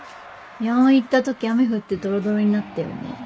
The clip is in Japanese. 野音行った時雨降ってドロドロになったよね。